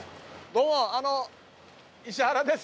どうも石原です。